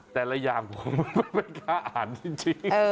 แต่ละอย่างผมไม่กล้าอ่านจริง